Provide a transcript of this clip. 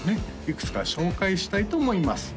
いくつか紹介したいと思います